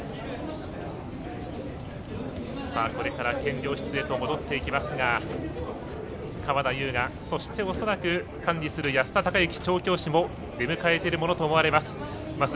これから検量室へと戻っていきますが川田将雅、そして恐らく管理する安田隆行調教師も出迎えているものと思われます。